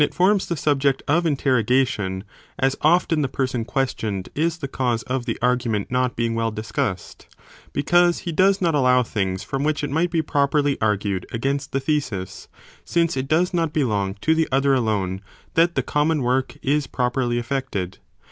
forms the subject of interrogation, as often the ent from the Ἢ Ἢ eo chensionof Person questioned is the cause of the argument personsem not being well discussed, because he does not. Ploying them. sliow things from which it might be properly argued against the thesis, since it does not belong to the other alone, that the common work is properly effected.